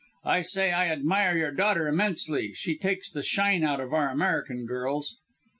I say I admire your daughter immensely she takes the shine out of our American girls."